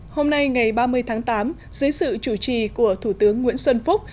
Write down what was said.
hôm nay ngày ba mươi tháng tám dưới sự chủ trì của thủ tướng nguyễn xuân phúc